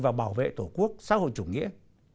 và bảo vệ tổ quốc xã hội chủ nghĩa